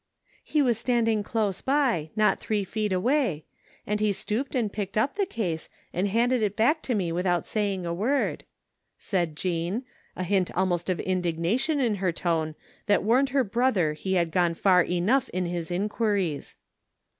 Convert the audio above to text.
"" He was standing close by, not three feet away, and he stooped and picked up the case and handed it back to me without saying a word," said Jean, a hint almost of indignation in her tone that warned her brother he had gone far enough in his inquiries.